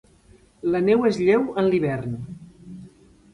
La neu és lleu en l'hivern.